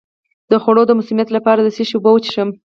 د خوړو د مسمومیت لپاره د څه شي اوبه وڅښم؟